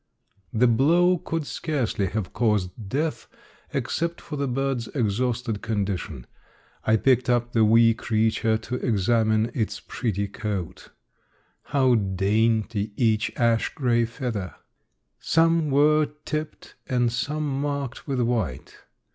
The blow could scarcely have caused death except for the bird's exhausted condition. I picked up the wee creature to examine its pretty coat. How dainty each ash gray feather! Some were tipped and some marked with white.